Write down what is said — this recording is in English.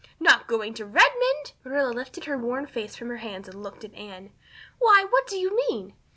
"Not going to Redmond!" Marilla lifted her worn face from her hands and looked at Anne. "Why, what do you mean?"